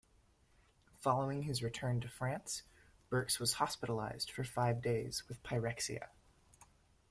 Following his return to France, Birks was hospitalised for five days with pyrexia.